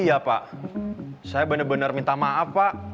iya pak saya benar benar minta maaf pak